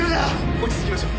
落ち着きましょう。